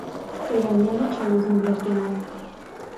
- Սեյրանյանը չէր ուզում վեր կենալ: